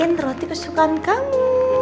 ini roti kesukaan kamu